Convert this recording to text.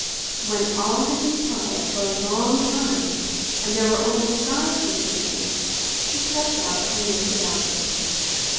When all had been quiet for a long time, and there were only stars to see him, he crept out and looked about him.